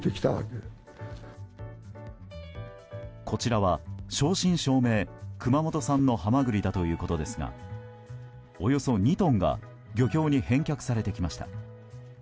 こちらは正真正銘、熊本産のハマグリだということですがおよそ２トンが漁協に返却されてきました。